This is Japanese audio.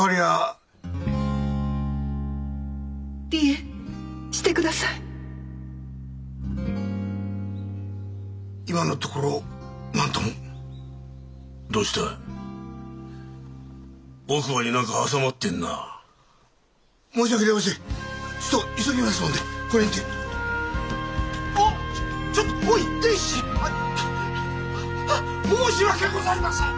はっ申し訳ございません！